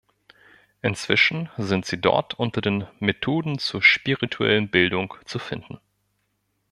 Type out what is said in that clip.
Inzwischen sind sie dort unter den „Methoden zur spirituellen Bildung“ zu finden.